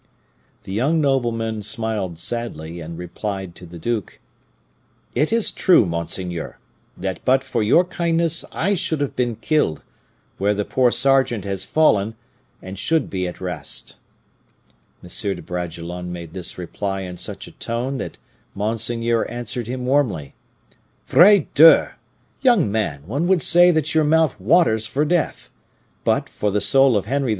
The young nobleman smiled sadly, and replied to the duke, 'It is true, monseigneur, that but for your kindness I should have been killed, where the poor sergeant has fallen, and should be at rest.' M. de Bragelonne made this reply in such a tone that monseigneur answered him warmly, 'Vrai Dieu! Young man, one would say that your mouth waters for death; but, by the soul of Henry IV.